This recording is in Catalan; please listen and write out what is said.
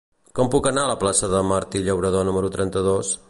Com puc anar a la plaça de Martí Llauradó número trenta-dos?